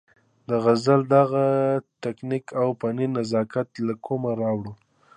د غزل دغه تکنيک او فني نزاکت له کومه راوړو-